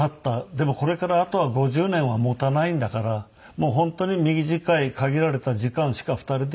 でもこれからあとは５０年は持たないんだから本当に短い限られた時間しか２人で生きていけない。